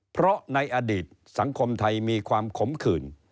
เพราะในอดีตสังคมไทยมีความขมขื่น